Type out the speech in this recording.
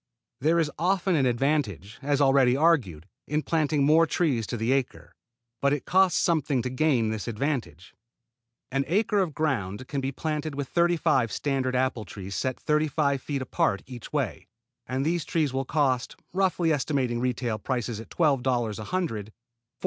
There is often an advantage, as already argued, in planting more trees to the acre, but it costs something to gain this advantage. An acre of ground can be planted with thirty five standard apple trees set thirty five feet apart each way, and these trees will cost, roughly estimating retail prices at $12 a hundred, $4.20.